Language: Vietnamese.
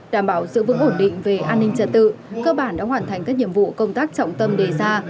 đảm bảo sự vững ổn định về an ninh trật tự cơ bản đã hoàn thành các nhiệm vụ công tác trọng tâm đề ra